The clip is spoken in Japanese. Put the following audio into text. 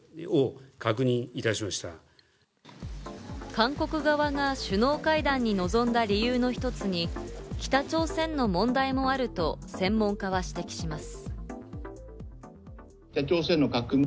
韓国側が首脳会談に臨んだ理由の一つに、北朝鮮の問題もあると専門家は指摘します。